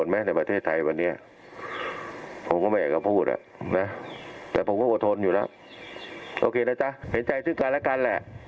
แต่ผมก็อดทนอยู่แล้วโอเคนะจ๊ะเห็นใจซึ่งกันและกันแหละ